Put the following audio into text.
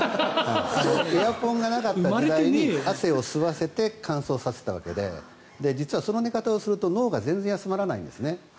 エアコンがなかった時代に汗を吸わせて乾燥させてたわけで実はその寝方をすると脳が全然休まらないんですね。